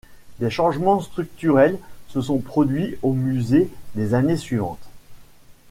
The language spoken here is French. Des changements structurels se sont produits au musée les années suivantes.